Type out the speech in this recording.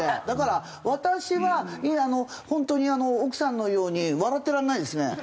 だから私は本当に奥さんのように笑ってられないですね。